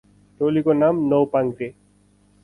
टोलीको नाम नौपाङ्ग्रे